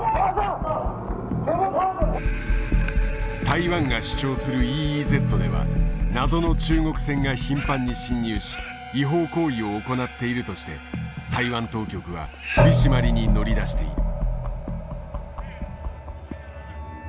台湾が主張するＥＥＺでは謎の中国船が頻繁に侵入し違法行為を行っているとして台湾当局は取締りに乗り出している。